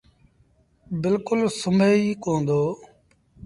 بلڪُل سمهي ئيٚ ڪوندو۔